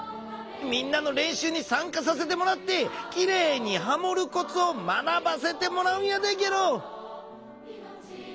みんなのれんしゅうにさんかさせてもらってきれいにハモるコツを学ばせてもらうんやでゲロ。